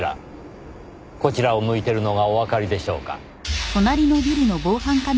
こちらを向いているのがおわかりでしょうか？